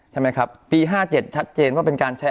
ใช่ไหมครับปี๕๗ชัดเจนว่าเป็นการใช้